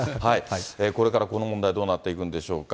これからこの問題、どうなっていくんでしょうか。